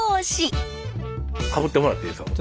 かぶってもらっていいですか？